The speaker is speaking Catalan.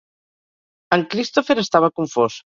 En Christopher estava confós.